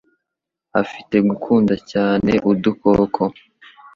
Afite gukunda cyane udukoko.